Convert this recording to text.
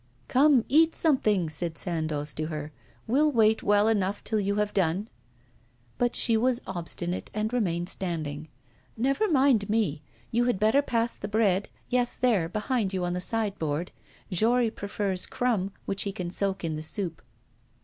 'Come, eat something,' said Sandoz to her. 'We'll wait well enough till you have done.' But she was obstinate and remained standing. 'Never mind me. You had better pass the bread yes, there, behind you on the sideboard. Jory prefers crumb, which he can soak in the soup.